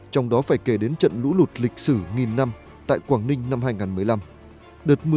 trong đó phải kể đến trận lũ lụt lịch sử nghìn năm tại quảng ninh năm hai nghìn một mươi năm